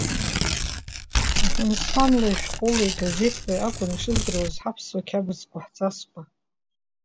Уҳәансҳәанлеи, шәҟәылеи, газеҭлеи акәын ишыздыруаз ҳаԥсуа қьабзқәа, ҳҵасқәа.